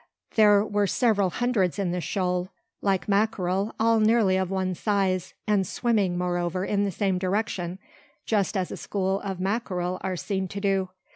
There were several hundreds in the shoal; like mackerel, all nearly of one size, and swimming, moreover in the same direction, just as a school of mackerel are seen to do.